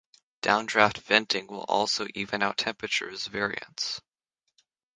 Downdraft venting will also even out temperatures variance.